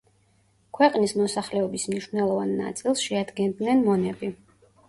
ქვეყნის მოსახლეობის მნიშვნელოვან ნაწილს შეადგენდნენ მონები.